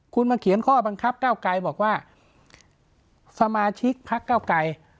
คุณมาเขียนข้อบังคับเก้าไกรบอกว่าสมาชิกพักเก้าไกร